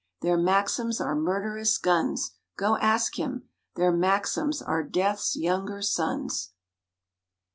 Their Maxims are murderous guns; (Go ask him!) Their Maxims are Death's younger sons.